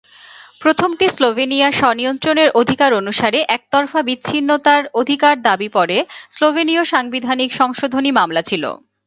প্রথমটি স্লোভেনিয়া স্ব-নিয়ন্ত্রণের অধিকার অনুসারে একতরফা বিচ্ছিন্নতার অধিকার দাবি পরে স্লোভেনীয় সাংবিধানিক সংশোধনী মামলা ছিল।